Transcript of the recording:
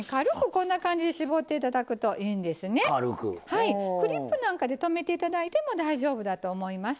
はいクリップなんかで留めて頂いても大丈夫だと思います。